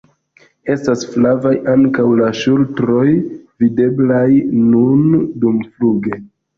Estas flavaj ankaŭ la ŝultroj, videblaj nun dumfluge.